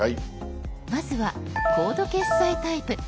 まずはコード決済タイプ。